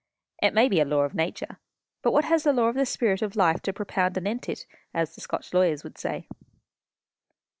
It may be a law of nature; but what has the Law of the Spirit of Life to propound anent it? as the Scotch lawyers would say."